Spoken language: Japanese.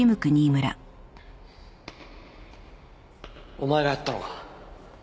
お前がやったのか？